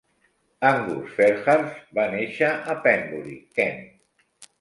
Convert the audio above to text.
Angus Fairhurst va néixer a Pembury (Kent).